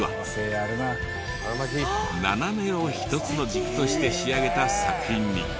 斜めを１つの軸として仕上げた作品に。